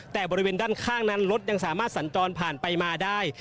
แต่บริเวณด้านข้างนั้นรถยังสามารถสัญจรผ่านไปมาได้